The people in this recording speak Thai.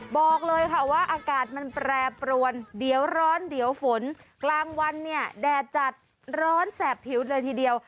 บอกเลยค่ะว่าอากาศมันแปรปรวนเดี๋ยวร้อนเดี๋ยวฝนกลางวันเนี่ยแดดจัดร้อนแสบผิวเลยทีเดียว